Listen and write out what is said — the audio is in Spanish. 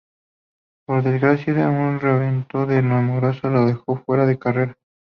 Por desgracia un reventón de neumático le dejó fuera de carrera.